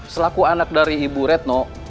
selaku anak dari ibu retno